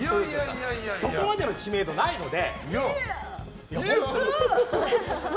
そこまでの知名度がないので。